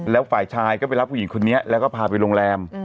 แล้วฝ่ายชายก็ไปรับผู้หญิงคนนี้แล้วก็พาไปโรงแรม